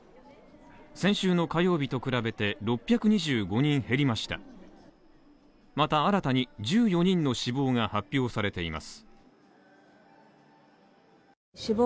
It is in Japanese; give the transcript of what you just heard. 先週の火曜日と比べて６２５人減りましたまた新たに１４人の死亡が発表されています。